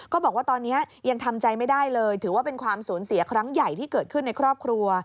บอกว่าตอนนี้ยังทำใจไม่ได้เลยถือว่าเป็นความสูญเสียครั้งใหญ่ที่เกิดขึ้นในครอบครัว